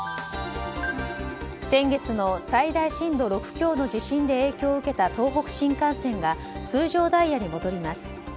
先月の最大震度６強の地震で影響を受けた東北新幹線が通常ダイヤに戻ります。